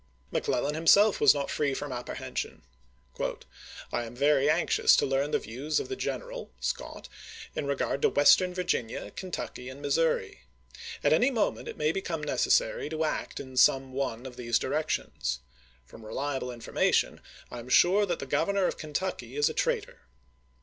McClellan himself was not free from apprehen sion. I am very anxious to learn the views of the General [Scott] in regard to Western Virginia, Kentucky, and Missouri. At any moment it may become necessary to act in some one of these directions. From reliable infor mation I am sure that the Governor of Kentucky is a traitor.